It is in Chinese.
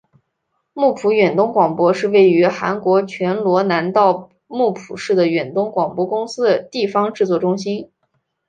木浦远东广播是位于韩国全罗南道木浦市的远东广播公司的地方制作中心。